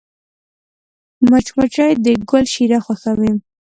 مچمچۍ د ګل شیره خوښوي